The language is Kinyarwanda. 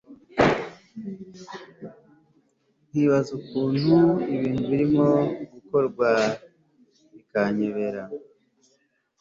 nkibaza ukuntu ibintu birimo gukorwa bikanyobera